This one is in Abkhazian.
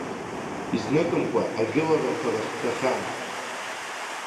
Изныкымкәа ажәыларақәа рахь дцахьан.